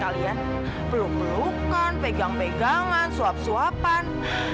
kalian peluk pelukan pegang pegangan suap suapan